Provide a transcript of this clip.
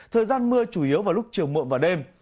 thời gian mưa chủ yếu vào lúc chiều mộm vào đêm